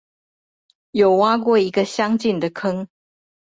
有挖過一個相近的坑